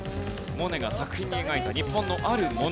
モネが作品に描いた日本のあるもの。